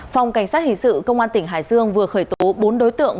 phòng cảnh sát hình sự công an tỉnh hải dương vừa khởi tố bốn đối tượng